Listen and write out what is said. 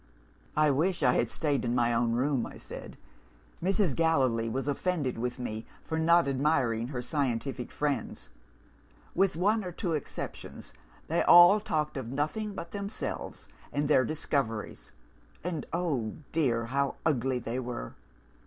"'I wish I had stayed in my own room,' I said. 'Mrs. Gallilee was offended with me for not admiring her scientific friends. With one or two exceptions, they talked of nothing but themselves and their discoveries and, oh, dear, how ugly they were!